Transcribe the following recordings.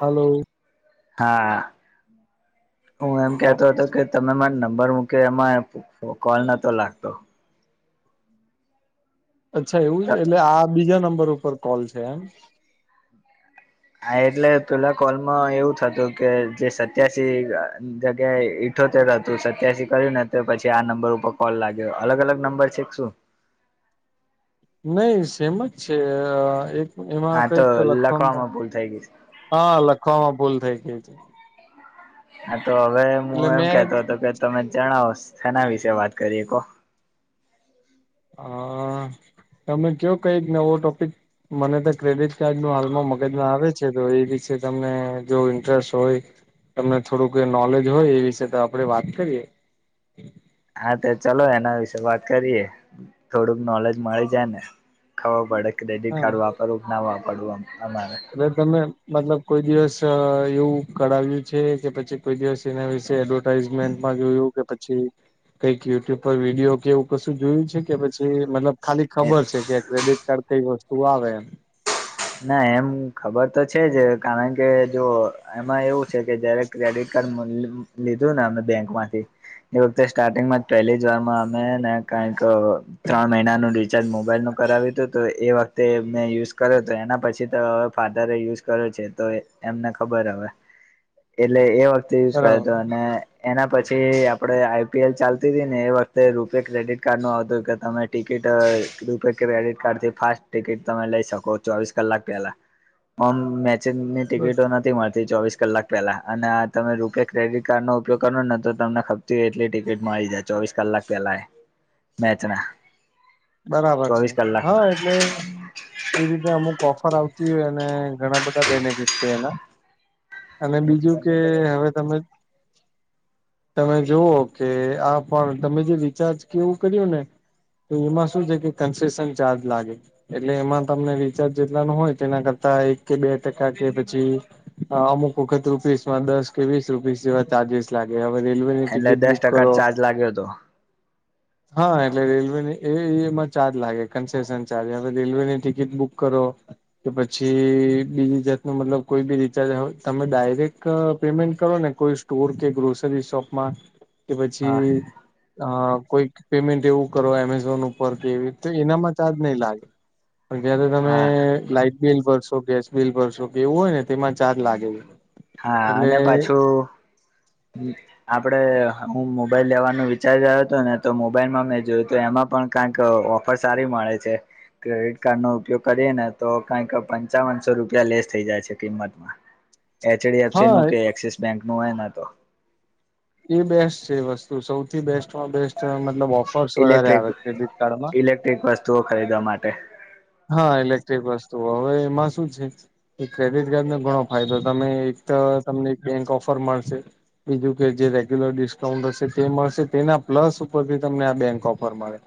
Hello. હા હું એમ કેતો હતો કે તમે મને નંબર મૂક્યો એમાં કોલ નહોતો લાગતો. અચ્છા એવું એટલે આ બીજા નંબર ઉપર કોલ છે એમ હા એટલે પેલા કોલમાં એવું થતું કે જે સત્યાસી જગ્યાએ અઠોતેર હતું સત્યાસી કર્યું ને તો પછી આ નંબર ઉપર કોલ લાગ્યો અલગ અલગ નંબર છે શું? નહી સેમ જ છે એક એમાં હા તો કઈક લખવામાં ભૂલ થઈ ગઈ હા લખવામાં ભૂલ થઈ ગય. હા તો હવે હું એટલે એમ મેં કેતો હતો કે તમે જણાવ તેના વિશે વાત કરીએ કો. હ તમે કયો કઈ નવો ટોપિક મને તો ક્રેડિટ- દ ન હાલમાં મગજમાં આવે છે તો એ વિશે તમને જો ઇન્ટરેસ્ટ હોય તમને થોડું કઈ નોલેજ હોય એ વિશે તો આપડે વાત કરીએ હા તો ચલો એના વિશે વાત કરીએ થોડુંક નોલેજ મળી જાય ને. ખબર પડે ક્રેડિટ હા કાર્ડ વાપરવું ના વાપરવું અમારે એલે તમે મતલબ કોઈ દિવસ એવું કરાવ્યું છે કે પછી કોઈ દિવસ તેના વિશે એડવર્ટાઈઝમેન્ટમાં જોયું કે પછી કઈક યુટ્યુબ પર વિડીયો કેવું કશું જોયું છે કે પછી મતલબ ખાલી ખબર છે કે ક્રેડિટ કાર્ડ કઈ વસ્તુ આવે એમ. ના એમ ખબર તો છે જ કારણ કે જો એમાં એવું છે કે જયારે ક્રેડિટ કાર્ડ લીધું ને અમે બેંકમાંથી - એ વખતે સ્ટાર્ટિંગમાં જ પહેલી જો વારમાં અમે ને કઈક ત્રણ મહિનાનું રિચાર્જ મોબાઈલ નું કરાવ્યું હતું તો એ વખતે મેં યુઝ કર્યો તો એના પછી તો હવે ફાધર યુઝ કરે છે તો એમને ખબર હવે એટલે એ વખતે યુઝ કરે બરાબર તો અને એના પછી આપડે આઈપીએલ ચાલતી હતી ને એ વખતે રૂપિયા ક્રેડિટ કાર્ડ નું આવતું કે તમે ટિકિટ રૂપિયા ક્રેડિટ કાર્ડ થી ફાસ્ટ ટિકિટ તમે લઈ શકો ચોવીસ કલાક પેલામ મેચની બસ ટિકિટો નથી મળતી ચોવીસ કલાક પેલા અને આ તમે રૂપે ક્રેડિટ કાર્ડનો ઉપયોગ કરો ને તો તમને ખપતી હો એટલી ટિકિટ મળી જ ચોવીસ કલાક પેલા મેચ ના બરાબર છે હા એટલે એવી રીતે અમુક ઓફર આવતી હોય અને ઘણા બધા બેનિફિટ છે એના અને બીજું કલાકમાં કે હવે તમે - [inaudible] તમે જોઓ કે આ પણ તમે જે રિચાર્જ કેવું કર્યું ને તો એમાં શું કે કેનશેસન ચાર્જ લાગે. એટલે એમાં તમને રીચાર્જ જેટલા ન હોય તેના કરતા એક કે બે ટકા કે પછી અમુક વખત રૂપીસમાં દસ કે વીસ રૂપીસ જેવા ચાર્જસ લાગે હવે રેલવે ની એટલે ટિકિટ દસ બુક ટકા કરો ચાર્જ લાગ્યો હતો હા એટલે રેલવેની એ એય માં ચાર્જ લાગે કન્સેસન ચાર્જ. હવે રેલવેની ટિકિટ બુક કરો. કે પછી બીજી જાતનો મતલબ કોઈ બી રિચાર્જ હોય તમે ડાયરેક્ટ પેમેન્ટ કરો ને કોઈ સ્ટ ટોર કે ગ્રોસરી શોપમાં. [inaudible] કે પછી અ કોઈ પેમેન્ટ એવું કરો એમેઝોન ઉપર ર કેવી એનામાં ચાર્જ નહી લાગે પણ જ્યારે તમે હા લાઈટ બિલ ભરશો ગેસ બિલ ભરસો કે એવું હોય ને તેમાં ચાર્જ લાગે છે. હા એટલે અને પાછું આપણે હું મોબાઈલ લેવાનું વિચાર રહ્યો હતો ને તો મોબાઈલમાં મેં જોયું હત એમાં પણ કાક ઓફર સારી મળે છે. ક્રેડિટ કાર્ડનો ઉપયોગ કરીએ ને તો કાંઈક પંચાવનસો રૂપિયા લેસ થઇ જાય છે કિંમતમાં. એચડી હા એફસીનું કે એક્સિસ બેંકનું હોય ન તો. એ બેસ્ટ છે વસ્તુ સૌથી બેસ્ટમાં બેસ્ટ મતલબ ઓફર્સ વધારે આવે ક્રેડિટ કાર્ડમાં. કંઈક વસ્તુઓ ખરીદવા માટે. હહ ઇલેક્ટ્રિક વસ્તુઓ હવે એમાં શું છે એ ક્રેડિટ કાર્ડનો ઘણો ફાયદો તમે એક ત તમને એક બેંક ઓફર મળશે. બીજું કે જે રેગ્યુલર ડિસ્કાઉન્ટ હશે તે મળશે, તેના પ્લસ ઉપરથી તમને આ બેંક ઓફર મળે.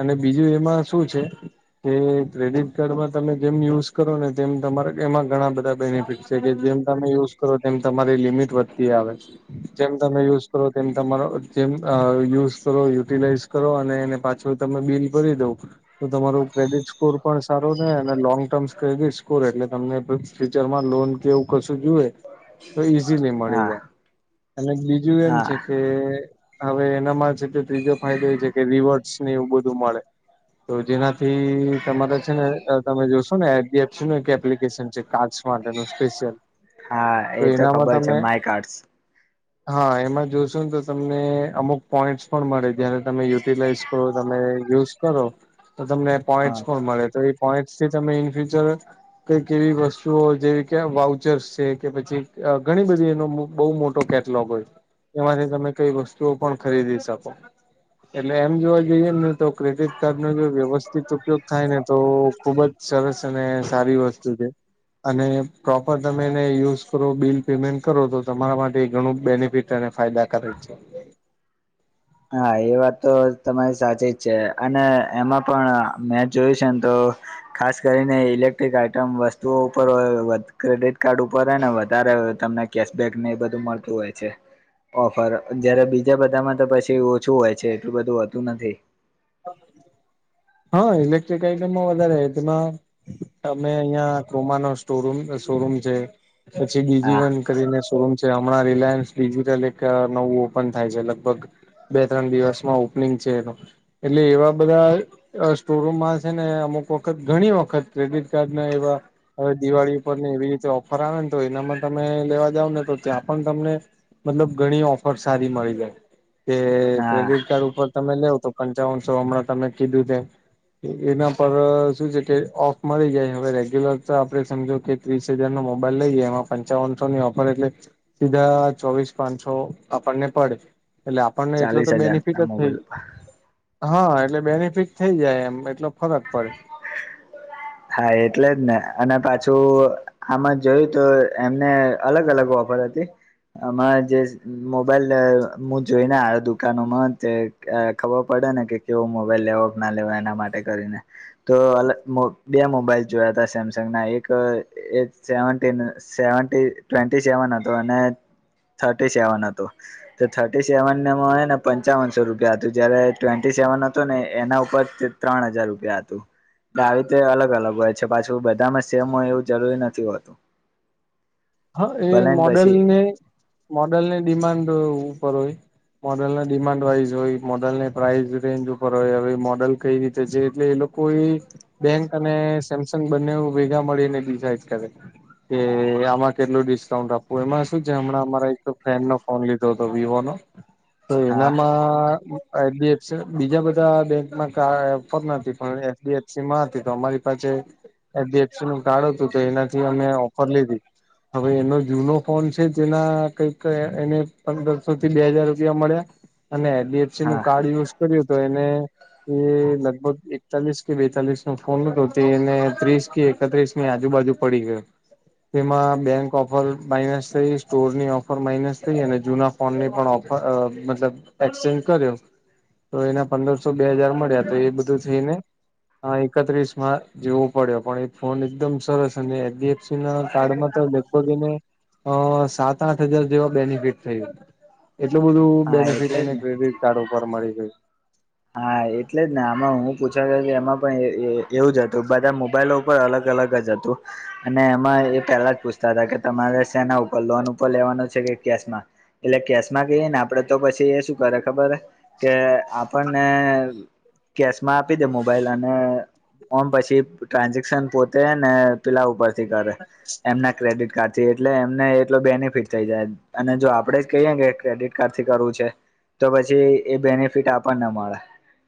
અને બીજું એમાં શું છે કે ક્રેડિટ કાર્ડમાં તમે જેમ યુઝ કરો ને તેમ તમારા એમાં ઘણા બધા બેનિફિટ છે કે જેમ તમે યુઝ કરો તેમ તમારી લિમિટ વધતી આવે. જેમ તમે યુઝ કરો તેમ તમારો જેમ અ યુઝ કરો, યુટિલાઈઝ કરો અને એને પાછું તમે બિલ ભરી દો તો તમારું ક્રેડિટ સ્કોર પણ સારો રે અને લોંગ ટર્મ કહી ગઈ સ્કોર એટલે તમને ફ્યુચરમાં લોન કે એવું કશું જુવે તો ઈઝીલી મળી હા જાય. અને બીજું એમ હા છે કે હવે એનામાં છે તે ત્રીજો ફાયદો એ છે કે રિવડ્સને એવું બધું મળે. તો જેનાથી તમારે છે ને અ તમે જોશો ને એડીએફસીનું એક એપ્લિકેશન છે કાર્ડસ માટેનું સ્પેશિયલ. હા તો એતો ખબર છે માય કાર્ડસ. હહ એમાં જોશો ન તો તમને અમુક પોઈન્ટસ પણ મળે. જયારે તમે યુટિલાઈઝ કરો, તમે યુઝ કરો તો તમને હા પોઈન્ટસ પણ મળે તો એ પોઈન્ટસથી તમે ઇન ફ્યુચર કંઈક એવી વસ્તુઓ જેવી કે વાઉચર્સ છે કે પછી ઘણી બધી એનો બહુ મોટો કેટ લોગ હોય. એમાંથી તમે કઈ વસ્તુઓ પણ ખરીદી શકો. એટલે એમ જોવા જઈએ ને તો ક્રેડિટકાર્ડનો જો વ્યવસ્થિત ઉપયોગ થાય ને તો ખુબ જ સરસ અને સારી વસ્તુ છે. અને પ્રોપર તમે એને યુઝ કરો બિલ પેમેન્ટ કરો તો તમારા માટે એ ઘણું બેનિફિ ટ અને ફાયદાકારક છે. હા એ વાત તો તમારી સાચી જ છે અને એમાં પણ મેં જોયું છે ન તો ખાસ કરીને ઇલેક્ટ્રિક આઈટમ વસ્તુઓ ઉપર હોય વધ ક્રેડિટ કાર્ડ ઉપર હેને વધારે હવે તમને કેશબેકને એ બધું મળતું હોય છે. ઓફર જયારે બીજા બધામાં તો પછ તે ઓછું હોય છે. એટલું બધું હોતું નથી. હહ ઇલેક્ટ્રિક આઈટમમાં વધારે તેમાં અમે અહિયાં ક્રોમાનો સ્ટોરૂમ અ શોરૂમ છે પછી હા ડીજીવન કરીને શોરૂમ છે. હમણાં રિલાયન્સ ડિજિટલ એક નવું ઓપન થાય છે લગભગ. બે ત્રણ દિવસમાં ઓપનિંગ છે એનું. એટલે એવા બધાં અ સ્ટોરરૂમમાં છે ને અમુક વખત ઘણી વખત ક્રેડિટ કાર્ડના એવા હવે દિવાળી ઉપરને એવી રીતે ઓફર આવે ને તો એનામાં તમે લેવા જાવ ને તો ત્યાં પણ તમને મતલબ ઘણી ઓફર સારી મળી જાય. કે હા ક્રેડિટ કાર્ડ ઉપર તમે લેવ તો પંચાવનસો હમણાં તમે કીધું તેમ એના પર શું છે કે ઓફ મળી જાય હવે રેગ્યુલર આપડે સમજો કે ત્રીસ હજાર નો મોબાઈલ લઈ જ એમાં પંચાવનસો ની ઓફર એટલે સીધા ચોવીસ પાંચસો આપણને પડે એટલે આપણને એટલો તો ચાલીસ હજાર બેનિફિટ ના જ થઈ મોબાઈલ હા એટલે બેનિફિટ થઈ જાય એમ એટલો ફરક પડે. હા એટલે જ ને અને પાછું આમાં જોયું તો એમને અલગ અલગ ઓફર હતી. આમાં જે મોબાઈલ મું જોઈને આયો દુકાનોમાં તે અ ખબર પડે ને કે કેવો મોબાઈલ લેવો કે ના લેવો એના માટે કરીને. તો અલ બે મોબાઈલ જોયા હતા સેમસંગ ના એક સેવીન સેવ ટ્વેન્ટી સેવન હત અને થર્ટી સેવન હતું. તો થર્ટી સેવન એ ને પંચાવનસો રૂપિયા હતું જયારે ટ્વેન્ટી સેવન હતું ને એના ઉપર ત્ર હજાર રપિયા તું આવી રતે અલગ અલગ હોય છે પાછું બધામાં સેમ હોય એવું જરૂરી નથી હોતું. [inaudible] હા એ ભલે ને પછી મોડલને મોડેલ ને ડિમાન્ડ ઉપર હોય. મોડલના ડિમાન્ડ વાઈઝ હોય મોડલને પ્રાઇઝ રેન્જ ઉપર હોય હવે મોડલ કઈ રીતે છે એટલે એ કોઈ બેંક અને સેમસંગ બંને ભેગા મળીને ડિઝઇડ કરે. એ આ કેટલું ડિસ્કાઉન્ટ આપવું એમાં શું છે હમણાં અમારે એક ફ્રેન્ડ નો ફોન લીધો હતો વિવો નો તો હા એનામાં એસડીએફસી બીજા બધા બેંકમાં પણ એસડીએફસીમાં હતી તો અમારી પાસે એડીએફસી નું કાર્ડ હતું તો એનાથી અમે ઓફર લીધી. હવે એનો જૂનો ફોન છે જેના કઈક એને પંદરસો થી બે હાજાર રૂપિયા મળ્યા. અને એલડીએફસી નું હા કાર્ડ યુઝ કર્યું તો એને એ લગભગ એકતાલીસ કે બેતાલીસ નો ફોન ન તે એને ત્રીસ કે એકત્રીસ આજુબાજુ પડી ગ તેમાં બેંક ઓફર માઇનસ થઈ સ્ટોરની ઓફર માઇનસ થઈ અને જૂના ફોન ની પણ ઓફર મતલબ એક્સચેન્જ કર્યો તો એના પંદરસો બે હાજાર મળ્યા તો એ બધું થઈને હા એકત્રીસ માં જેવો પડ્યો પણ એ ફોન એકદમ સરસ અને એડીએફસી ના કાર્ડમાં તો લગભગ એને અ સાત આઠ હજાર જેવા બેનિફિટ થ એટલું બધું હા બેનિફિટ એટલે જ એને ને ક્રેડિટ કાર્ડ ઉપર મળી ગય. હા એટલે જ ને આમાં હું પૂછ્યો કે એમાં પણ એવું જ હતું બધા મોબાઈલ અલગ અલગ જ હતું અને એમાં એ પેલા જ પુસ્ત કે તમારે સેના ઉપર લોન ઉપર લેવાનું છે કે કેશમાં એટલે કેશમાં કહીએ ને આપડે તો પછી એ શું કરે ખબર કે આપણને કેશમાં આપી દે મોબાઈલ અને ઓન પછી ટ્રાન્ઝેક્શન પોતે ને પેલા ઉપરથી કરે એમના ક્રેડિટ કાર્ડ થી એટલે એમને એટલો બેનિફિટ થઈ જાય. અને જો આપડે જ કહીએ કે ક્રેડિટ કાર્ડ થી કરવું છે તો પછી એ બેનિફિટ આપણને મળે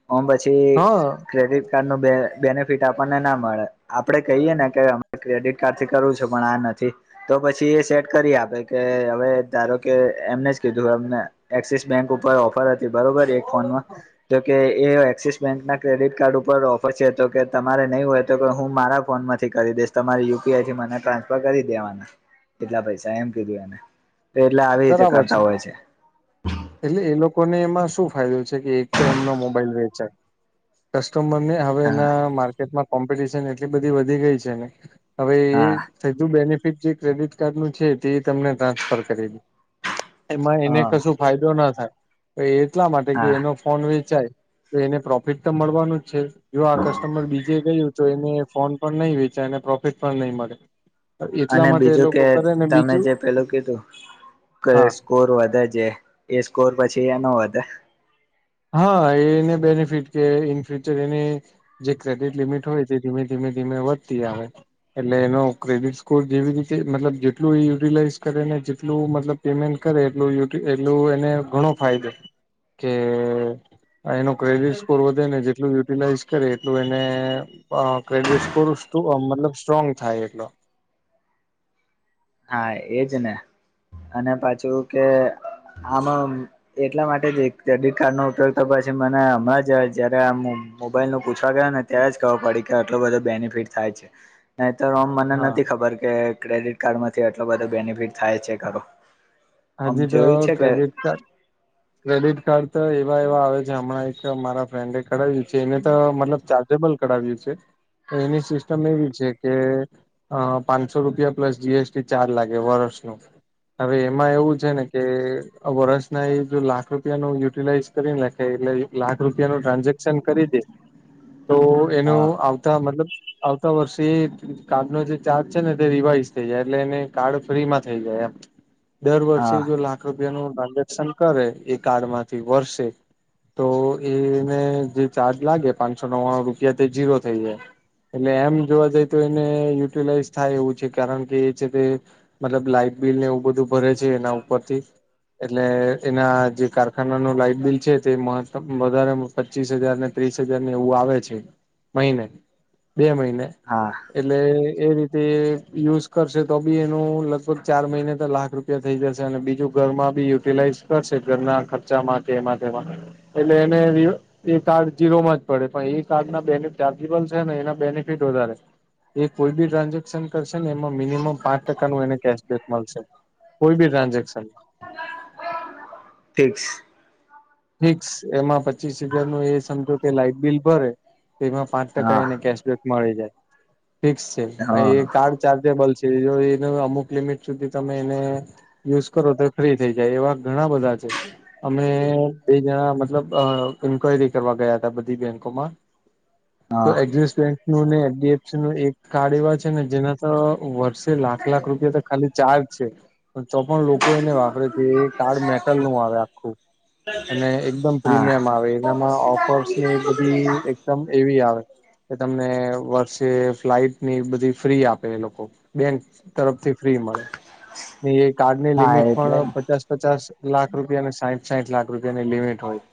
ઓમ પછી હા ક્રેડિટ કાર્ડ નું બેનિફિટ આપણને ના મળે આપડે કહીએ ને કે અ ક્રેડિટ કાર્ડ થી કરવું છેું પણ આ નથી. તો પછી એ સેટ કરી આપે કે હવે ધારો કે એમને જ કીધું એમને એક્સિસ બેંક ઉપર ઓફર હતી બરોબર એક ફોન માં તો એ એક્સિસ બેંક ના ક્રેડિટ કાર્ડ ઉપર ઓફર છે તો કે તમારે નહીં હોય તો કે હું મારા ફોનમાં કરી દેસ તમારી યુપીઆઈ થી મને ટ્રાન્સફર કરી દેવાના કેટલા પૈસા એમ કીધું એને એટલે આવી રીતે કરતા હોય છે. એટલે એ લોકોને એમાં શું ફાયદો છે કે એક તો એમનો મોબાઈલ વેચાય. કસ્ટું મમને [unintelligible] હવે હા એના માર્કેટમાં કોમ્પિટિશન એટલી બધી વધી ગઈ છે ને હવે એ. હા થધું બેનિફિટ જે ક્રેડિટ કાર્ડનુંું છે તે તમને ટ્રાન્સફર કરે દ. એમાં એને હા કશું ફાયદો ના થાય તો એટલા માટે કે હા એનો ફોન વેચાય. તો એને પ્રોફિટ તો મળવાનું જ છે. જો આ કસ્ટમર બીજે ગયું તો એને ફોન પણ નહી વેચે અને પ્રોફિટ પણ નહી મળે. એટલા અને માટે એ બીજું લોકો કે કરે ને તમે બીજું જે પેલું કીધું ક હા સ્કોર વધે જે એ સ્કોર પછી એ ન વધે હા એને બેનિફિટ કે ઇન ફ્યુચર એને જે ક્રેડિટ લિમિટ હોય તે ધીમે ધીમે ધીમે વધતી આવે. એટલે એનો ક્રેડિટ સ્કોર જેવી રીતે મતલબ જેટલું યુટિલાઈઝ કરે ને જેટલું મતલબ પેમેન્ટ કરે એટલય એટલું એને ઘણો ફાયદો કે એનો ક્રેડિટ સ્કોર વધે ને જેટલું યુટિલાઈઝ કરે એટલું એને ક્રેડિટ સ્કોર મતલબ સ્ટ્રોંગ થાય એટલો. હા એજ ને અને પાછું કે આમાં એટલા માટે જ ક્રેડિટ કાર્ડનો ઉપયોગ તો પછી મને હમણાં જ જયારે આમ મોબાઈલ નું પૂછવા ગયો ન ત્યારે જ ખબર પડી કે આટલું બધો બેનિફિટ થાય છે નહી તો મને નથી હા ખબર કે ક્રેડિટ કાર્ડ માંથી એટલો બધો બેનિફિટ થાય છે ખરો. આમ હજી તો જોયું છે કે. ક્રેડિટ કાર્ડ ક્રેડિટ કાર્ડ તો એવા એવા આવે છે હમણાં એક મારા ફ્રેન્ડ એ કરાવ્યું છે એને તો મતલબ ચ જેબલ કરાવ્યું છે એની સિસ્ટમ એવી છે કે અ પાંચસો રૂપિયા પ્લસ જીએસટી ચાર્જ લાગે વર્ષ નો હવે એમાં એવું છે ને કે વરસ ના એ જો લાખ રૂપિયા ન યુટિલાઈઝ કરીને લખે એટલે લાખ રૂપિયા નું ટ્રાન્ઝેક્શન કરી દે. તો એનું હા આવ મતલબ આવતા વર્ષે કારનો જે ચાર્જ છે ને તે રિવાઈઝ થઈ જાય એટલે એને કાર્ડ ફ્રી માં થઈ જાય એમ. [inaudible] દર વર્ષે હા જો લાખ રૂપિયા ન ટ્રાન્ઝેક્શન કરે એ કાર્ડમાંથી વર્ષે તો એને જે ચાર્જ લાગે પાંચસો નવા્વાણું રૂપિયા તે જીરો થઈ જાય. એટલે એમ જોવા જઈ તો એને યુટિલાઈઝ થાય એવું છે કારણ કે એ છે તે મતલબ લાઈટ બિલને એવું બધું ભરે છે એના ઉપરથી એટલે ના જે કારખાનાનું લાઈટ બિલ છે તે મહ વધારે- પચીસ હજાર ને ત્રીસ હજાર ને એવું આવે છે મહિને બે મહિને. હા. એટલે એ રીતે યુઝ કરશે તો બી એનું લગભગ ચાર મહિને તો લાખ રૂપ ઉપ થઈ જશે અને બીજું ઘરમાં બી યુટિલાઈઝ કરશે ઘરના ખર્ચામાં એમાં એટલે એને એ કાર્ડ જીરોમાં જ પડે પણ એ કાર્ડના બે ચાર્જેબલ છે ને એના બેનિફિટ વધારે એ કોઈ બી ટ્રાન્ઝેક્શન કરશે ને એમાં મિનિમમ પાંચ ટકાનું એને કેશબેક મળશે. કોઈ બી ટ્રાન્ઝેક્શન ફિક્સ. ફિક્સ એમાં પચીસ હજાર નું એ સમજો કે લાઈટ બિલ ભરે તેમાં પાંચ ટકા હા એને કેશબેક મળી જાય ફિક્સ છે હા પણ એ કાર્ડ ચાર્જેબલ છે જો એ અમુક લિમિટ સુધી તમે એને યુઝ કરો તો ફ્રી થઈ જાય એવા ઘણા બધા છે અમે એ જણા મતલબ ઈન્ક્વાયરી કરવા ગયા હતા બધી બેન્કો માં તો હા એક્ઝિસ બેંક ન એચડીએફસી નું એક કાર્ડ એવા છે ને જેના વર્ષ લાખ લાખ રૂપિયા તો ખાલી ચાર્જ છે. તોપણ લોકો એને વાપરે છે એ કાર્ડ મેટલ નું આવે આખું અને એકદમ હા. પ્રીમિયમ આવે એનામાં ઓફર્સ ની બધી એકદમ એવી આવે. કે તમને વર્ષે ફ્લાઈટ ની બધી ફ્રી આપે એ લોકો બેં તરફથી ફ્રી મળે. એ કાર્ડ ની હા લિમિટ એટલે પણ પચાસ પચાસ લાખ રૂપિયાને સાહીઠ સાઠ લાખ રૂપિયાની લિમિટ હોય.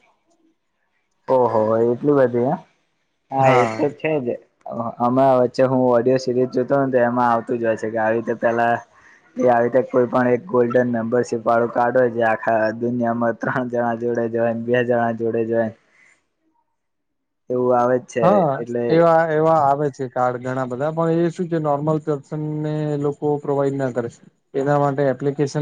ઓહો એટલું બધું હ હા એ તો છે જ. હમરા વચ્ચે હું ઓડિયો સિરીઝ જોતો ને તો એમાં આવતું જ હોય છે કે આવી રીતે પેલા- એ આવી રીતે કોઈ પણ એક ગોલ્ડન મેમ્બરશીપ વાળું કાર્ડ હોય છે આખા દુનિયામાં ત્રણ જણા જોડે જોય બે જણા જોડે જોય એવું આવે. છે હા એટલે એવા એવા આવે છે કાર્ડ ઘણા બધા પણ એ શું છે નોર્મલ પર્સન ને લોકો પ્રોવાઈડ ના કરે છે. એના માટે એપ્લિકેશન.